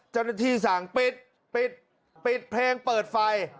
เจ้าหน้าที่สั่งปิดปิดเพลงเปิดไฟ